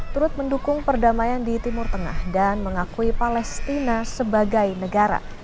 turut mendukung perdamaian di timur tengah dan mengakui palestina sebagai negara